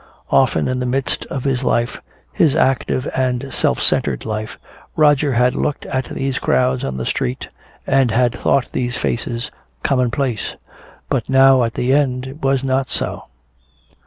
Often in the midst of his life, his active and self centered life, Roger had looked at these crowds on the street and had thought these faces commonplace. But now at the end it was not so.